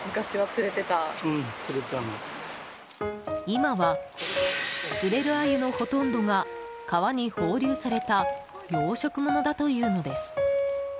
今は釣れるアユのほとんどが川に放流された養殖ものだというのです。